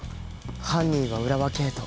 犯人は浦和敬人。